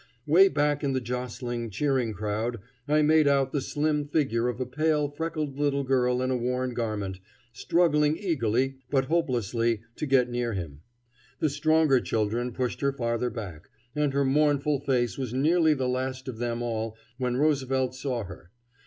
Way back in the jostling, cheering crowd I made out the slim figure of a pale, freckled little girl in a worn garment, struggling eagerly but hopelessly to get near him. The stronger children pushed her farther back, and her mournful face was nearly the last of them all when Roosevelt saw her.